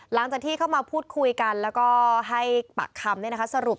หลังจากที่เข้ามาพูดคุยกันแล้วก็ให้ปากคำสรุป